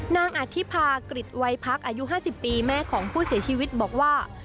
อธิภากริจวัยพักอายุ๕๐ปีแม่ของผู้เสียชีวิตบอกว่า